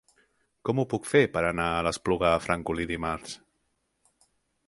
Com ho puc fer per anar a l'Espluga de Francolí dimarts?